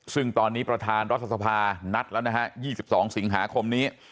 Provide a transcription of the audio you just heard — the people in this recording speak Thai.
ซึ่งตอนนี้ประธานรัฐสภานัดแล้วนะฮะ๒๒สิงหาคมนี้